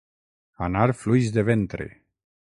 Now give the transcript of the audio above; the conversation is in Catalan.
Anar fluix de ventre.